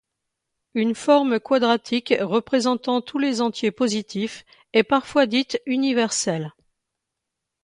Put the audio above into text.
Une forme quadratique représentant tous les entiers positifs est parfois dite universelle.